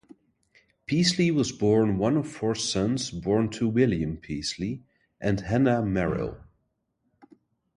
Peasley was born one of four sons born to William Peasley and Hanna Merrill.